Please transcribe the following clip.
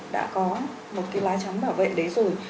đã có một cái lá trống bảo vệ đấy rồi